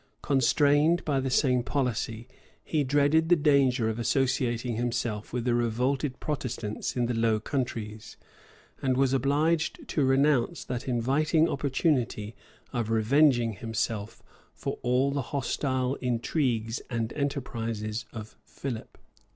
Constrained by the same policy, he dreaded the danger of associating himself with the revolted Protestants in the Low Countries, and was obliged to renounce that inviting opportunity of revenging himself for all the hostile intrigues and enterprises of Philip.